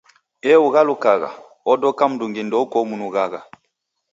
Ee ughalukagha, odoka mndungi ndeuko umnughagha.